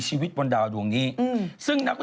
มีน้ำบนดาวแล้วก็อาจจะมี